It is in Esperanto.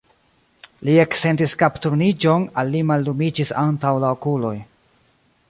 Li eksentis kapturniĝon, al li mallumiĝis antaŭ la okuloj.